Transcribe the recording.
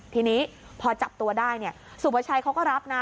ทีนี้พอจับตัวได้สุประชัยเขาก็รับนะ